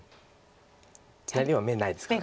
左は眼ないですから。